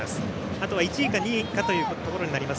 あとは１位か２位かというところになります。